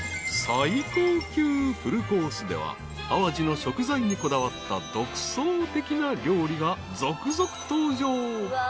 ［最高級フルコースでは淡路の食材にこだわった独創的な料理が続々登場］